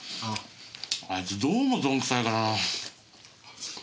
あいつどうもどんくさいからなぁ。